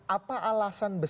apa alasan besar